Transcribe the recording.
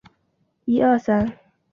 蒙盖亚尔人口变化图示